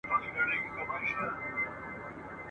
دا اجمل اجمل نسلونه ..